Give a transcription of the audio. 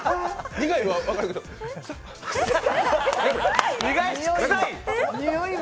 苦いは分かるけど、くさい？